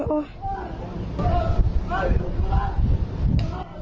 โอ้ย